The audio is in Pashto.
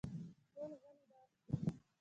ټول غلي ناست وو.